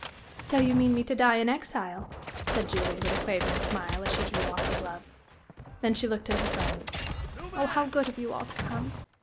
"So you mean me to die in exile," said Julie, with a quavering smile, as she drew off her gloves. Then she looked at her friends. "Oh, how good of you all to come!